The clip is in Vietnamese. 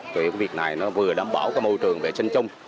vì việc này nó vừa đảm bảo môi trường vệ sinh chung